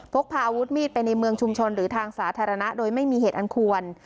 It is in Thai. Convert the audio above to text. พกพาอาวุธมีดไปในเมืองชุมชนหรือทางสาธารณะโดยไม่มีเหตุอันควร